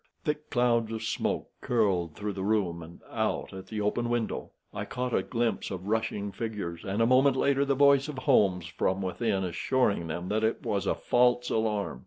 Thick clouds of smoke curled through the room, and out at the open window. I caught a glimpse of rushing figures, and a moment later the voice of Holmes from within assuring them that it was a false alarm.